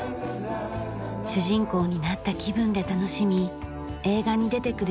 主人公になった気分で楽しみ映画に出てくる